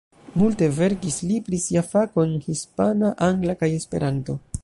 Multe verkis li pri sia fako en hispana, angla kaj esperanto.